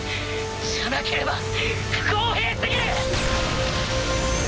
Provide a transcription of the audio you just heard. じゃなければ不公平すぎる！